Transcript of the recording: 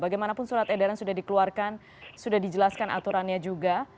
bagaimanapun surat edaran sudah dikeluarkan sudah dijelaskan aturannya juga